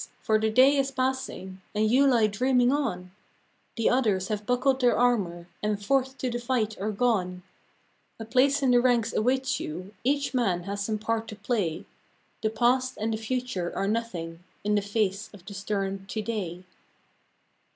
for the day is passing, And you lie dreaming on ; The others have buckled their armor, And forth to the fight are gone: A place in the ranks awaits you, Each man has some part to play; The Past and the Future are nothing, In the face of the stern To day.